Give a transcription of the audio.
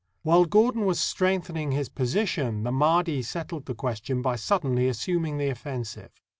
While Gordon was strengthening his position the Mahdi settled the question by suddenly assuming the offensive.